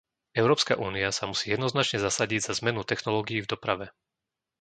Európska únia sa musí jednoznačne zasadiť za zmenu technológií v doprave.